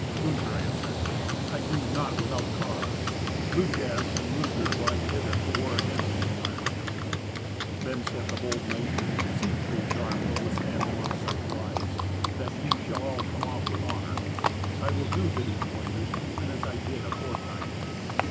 Gunther answered, "I grieve not without cause. Ludgast and Ludger ride hither to war against me in my land." Then said the bold knight, "Siegfried's arm will withstand them on such wise, that ye shall all come off with honour. I will do to these warriors even as I did aforetime.